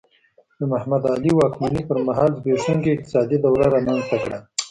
د محمد علي واکمنۍ پر مهال زبېښونکي اقتصاد دوره رامنځته کړه.